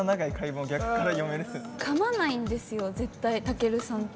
かまないんですよ絶対たけるさんって。